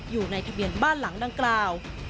อยู่ในทะเบียนบ้านหลังดังกล่าว